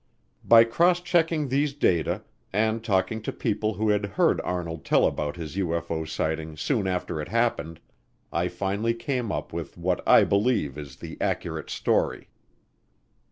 By cross checking these data and talking to people who had heard Arnold tell about his UFO sighting soon after it happened, I finally came up with what I believe is the accurate story.